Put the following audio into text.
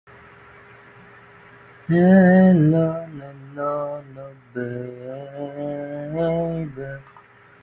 This scene inspired Sargent to write a poem, which Russell later put to music.